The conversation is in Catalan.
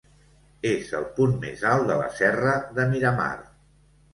És el punt més alt de la serra de Miramar.